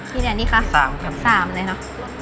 ที่แหละนี่คะ๓ค่ะ๓เลยนะ